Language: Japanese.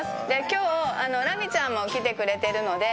今日ラミちゃんも来てくれてるので。